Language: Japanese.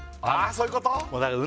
そういうこと？